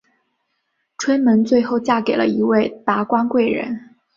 春梅最后嫁给了一名达官贵人。